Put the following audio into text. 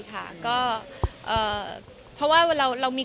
คุณแม่มะม่ากับมะมี่